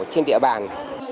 trên địa bàn